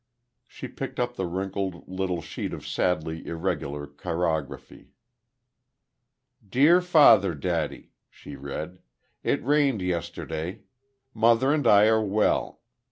She picked up the wrinkled little sheet of sadly irregular chirography. "Dear father daddy," she read. "It rained yesterday. Mother and I are well.